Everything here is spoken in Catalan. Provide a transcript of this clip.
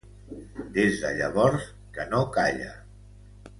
Des de llavors que no calla.